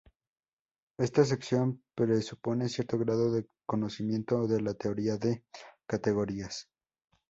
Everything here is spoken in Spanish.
Esta sección presupone cierto grado de conocimiento de la teoría de categorías.